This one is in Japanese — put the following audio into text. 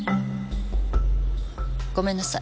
ごめんなさい。